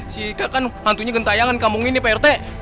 si ika kan hantunya gentayangan kampung ini pak rete